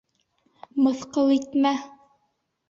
— Мыҫҡыл итмә!